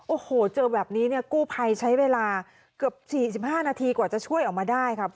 โอ้โหเจอแบบนี้เนี่ยกู้ภัยใช้เวลาเกือบ๔๕นาทีกว่าจะช่วยออกมาได้ครับ